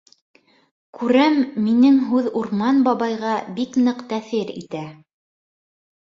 Күрәм: минең һүҙ Урман бабайға бик ныҡ тәьҫир итә.